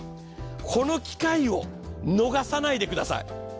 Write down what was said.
この機会を逃さないでください。